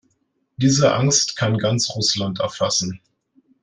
Diese Angst kann ganz Russland erfassen.